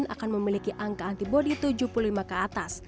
akan memiliki angka antibody tujuh puluh lima ke atas